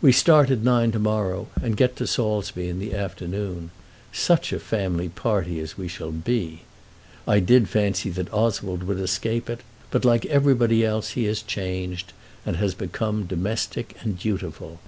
We start at nine to morrow, and get to Saulsby in the afternoon. Such a family party as we shall be! I did fancy that Oswald would escape it; but, like everybody else, he has changed, and has become domestic and dutiful.